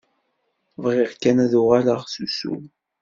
Bɣiɣ kan ad uɣaleɣ s usu.